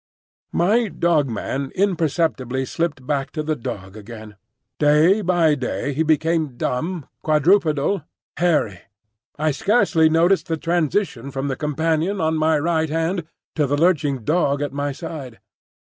My Dog man imperceptibly slipped back to the dog again; day by day he became dumb, quadrupedal, hairy. I scarcely noticed the transition from the companion on my right hand to the lurching dog at my side.